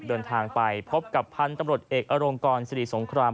เดินทางไปพบกับพันธุ์ตำรวจเอกอรงกรสิริสงคราม